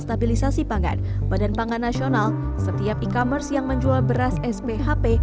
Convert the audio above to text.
stabilisasi pangan badan pangan nasional setiap e commerce yang menjual beras sbhp